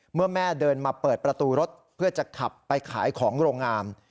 เมื่อแม่เดินมาเปิดประตูรถเพื่อจะขับไปขายของโรงงาน